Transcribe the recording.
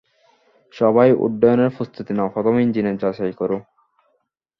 সবাই, উড্ডয়নের প্রস্তুতী নাও, প্রথমে ইঞ্জিনের যাচাই করো।